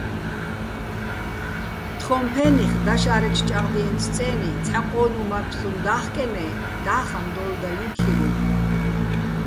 თხოჼ ფე́ნიხ დაშა́რეჩო̆ ჭაღდიენჩო̆ წე́ნი ცჰ̦ა ყო́ნუჼ მარფსტუ და́ხკენე́ და́ხაჼ დოლდალიჼ ქირუვ.